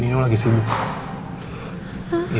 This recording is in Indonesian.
nino lagi sibuk ya